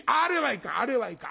あれはいかん